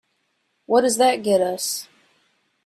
What does that get us?